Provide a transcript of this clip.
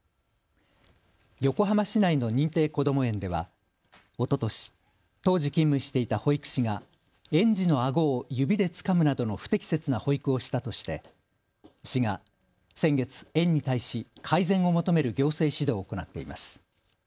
横浜市内の認定こども園ではおととし、当時勤務していた保育士が園児のあごを指でつかむなどの不適切な保育をしたとして市が先月、園に対し改善を求める行政指導を行っています。